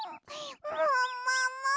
もっもも！